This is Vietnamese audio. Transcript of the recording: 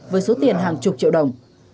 với số tiền hàng chục triệu đồng